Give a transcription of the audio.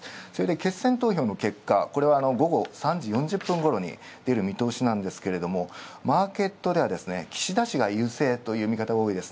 決選投票の結果、午後３時４０分ごろに出る見通しですが、マーケットでは岸田氏が優勢という見方が多い。